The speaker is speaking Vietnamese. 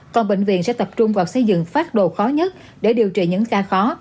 còn bệnh viện sẽ tập trung vào xây dựng phát đồ khó nhất để điều trị những ca khó